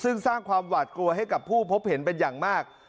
ซึ่งสร้างความหวาดกลัวให้กับผู้พบเห็นเป็นอย่างมาก